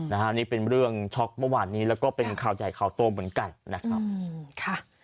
นะฮะนี่เป็นเรื่องช็อกประวัตินี้แล้วก็เป็นข่าวใหญ่ข่าวโตมเหมือนกันนะครับ